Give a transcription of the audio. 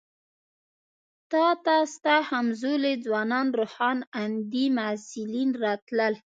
تا ته ستا همزولي ځوانان روښان اندي محصلین راتلل.